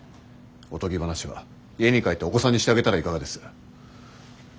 おとぎ話は家に帰ってお子さんにしてあげたらいかがです？